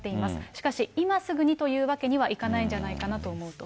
しかし、今すぐにというわけにはいかないんじゃないかなと思うと。